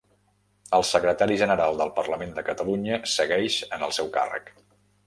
El secretari general del Parlament de Catalunya segueix en el seu càrrec